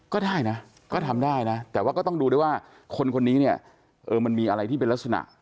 ก็ได้นะก็ทำได้นะแต่ว่าก็ต้องดูด้วยว่าคนคนนี้เนี่ยเออมันมีอะไรที่เป็นลักษณะ